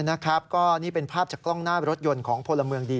นะครับก็นี่เป็นภาพจากกล้องหน้ารถยนต์ของพลเมืองดี